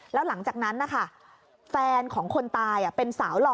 แล้วหลังจากนั้นนะคะแฟนของคนตายเป็นสาวหล่อ